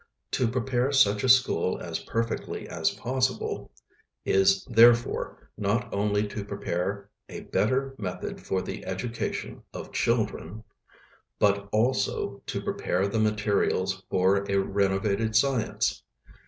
To prepare such a school as perfectly as possible, is therefore not only to prepare "a better method for the education of children," but also to prepare the materials for a renovated science.